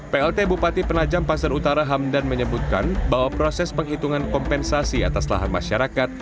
plt bupati penajam pasar utara hamdan menyebutkan bahwa proses penghitungan kompensasi atas lahan masyarakat